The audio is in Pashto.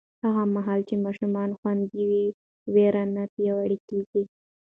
هغه مهال چې ماشومان خوندي وي، ویره نه پیاوړې کېږي.